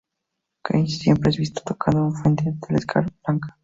Keith siempre es visto tocando una Fender Telecaster blanca.